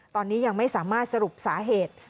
ตอนนี้ยังไม่สามารถสรุปสาเหตุ